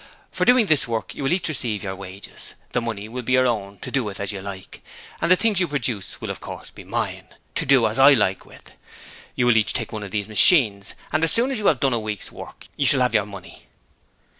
For doing this work you will each receive your wages; the money will be your own, to do as you like with, and the things you produce will of course be mine, to do as I like with. You will each take one of these machines and as soon as you have done a week's work, you shall have your money.'